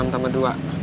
enam tambah dua